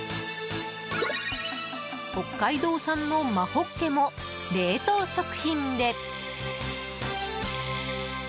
北海道産の真ホッケも冷凍食品で。